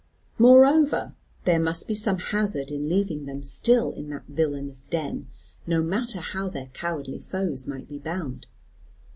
Moreover, there must be some hazard in leaving them still in that villanous den, no matter how their cowardly foes might be bound.